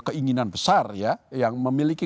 keinginan besar ya yang memiliki